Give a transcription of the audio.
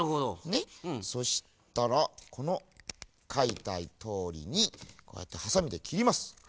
ねそしたらこのかいたとおりにこうやってはさみできります。